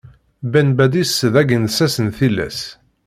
Ben Badis d agensas n tillas.